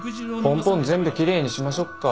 ポンポン全部奇麗にしましょっか。